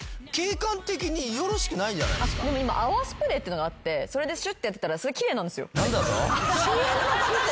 でも今泡スプレーっていうのがあってそれでシュッてやったら奇麗なんですよ。